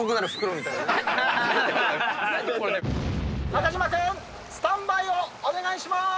中島君スタンバイをお願いしまーす！